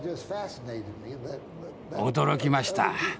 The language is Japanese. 驚きました。